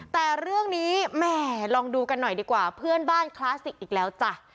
แต่เรื่องนี้แหม่ลองดูกันหน่อยดีกว่าเพื่อนบ้านคลาสสิกอีกแล้วจ้ะ